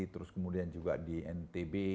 terus kemudian juga di ntb